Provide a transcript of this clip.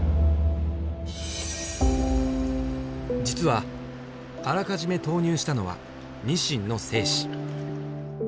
実はあらかじめ投入したのはニシンの精子。